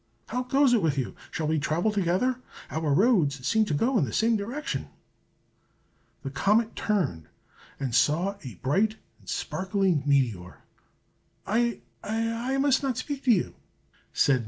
"How goes it with you? Shall we travel together? Our roads seem to go in the same direction." The comet turned and saw a bright and sparkling meteor. "I I must not speak to you!" said No.